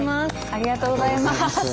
ありがとうございます。